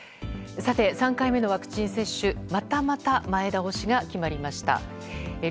さて、３回目のワクチン接種またまた前倒しが決まりました。